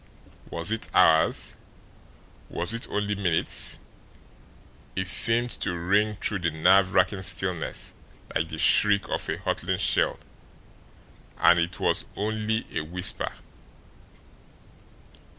Was it hours was it only minutes? It seemed to ring through the nerve racking stillness like the shriek of a hurtling shell and it was only a whisper.